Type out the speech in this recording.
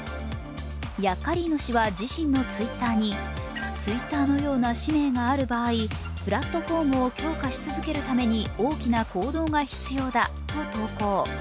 ヤッカリーノ氏は自身のＴｗｉｔｔｅｒにＴｗｉｔｔｅｒのような使命がある場合、プラットフォームを強化し続けるために大きな行動が必要だと投稿。